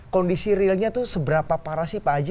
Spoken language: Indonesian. kondisi realnya itu seberapa parah sih pak haji